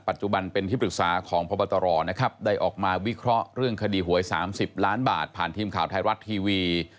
ปัจจุบันเป็นที่ปรึกษาของพบตรนะครับได้ออกมาวิเคราะห์เรื่องคดีหวย๓๐ล้านบาทผ่านทีมข่าวไทยรัฐทีวี